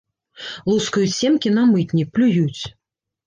Лускаюць семкі на мытні, плююць.